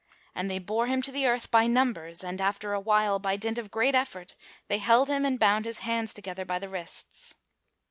And they bore him to the earth by numbers, and after a while, by dint of great effort, they held him and bound his hands together by the wrists.